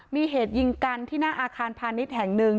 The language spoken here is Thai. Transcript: มีเหตุยิงกันที่หน้าอาคารพาณิชย์แห่งหนึ่ง